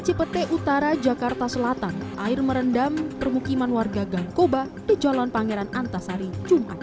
cipete utara jakarta selatan air merendam permukiman warga gangkoba di jalan pangeran antasari jumat